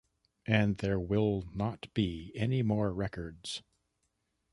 And there will not be any more records.